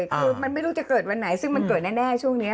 คือมันไม่รู้จะเกิดวันไหนซึ่งมันเกิดแน่ช่วงนี้